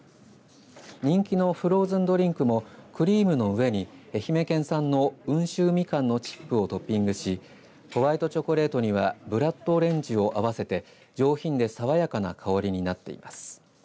人気のフローズンドリンクもクリームの上に愛媛県産の温州みかんのチップをトッピングしホワイトチョコレートにはブラッドオレンジを合わせて上品で爽やかな香りになっています。